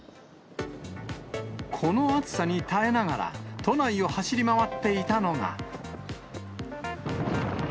この暑さに耐えながら、都内を走り回っていたのが。